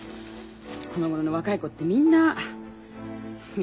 このごろの若い子ってみんなああ。